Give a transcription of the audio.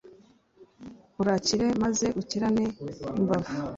Urakire maze ukirane imbavu »